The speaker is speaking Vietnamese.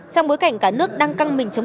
trong bối cảnh cả nước đang căng mình chống